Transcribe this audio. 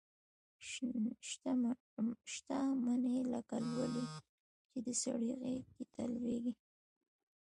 شته مني لکه لولۍ چي د سړي غیږي ته لویږي